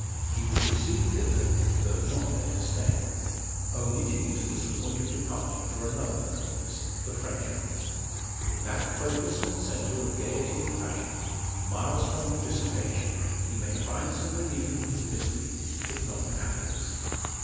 He will proceed thither, though not there to stay. Only to use it as a point of departure for another metropolis the French one. In that focus and centre of gaiety and fashion Maelstrom of dissipation he may find some relief from his misery, if not happiness.